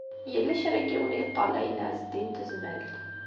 Yella kra n yiwen i yeṭṭalayen Ɛezdin n Tezmalt.